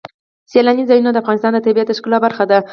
سیلانی ځایونه د افغانستان د طبیعت د ښکلا برخه ده.